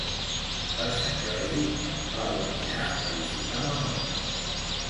Per Sant Jordi en Pau anirà a visitar mon oncle.